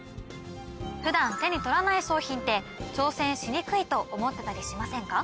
普段手に取らない商品って挑戦しにくいと思ってたりしませんか？